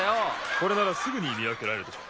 これならすぐにみわけられるでしょ。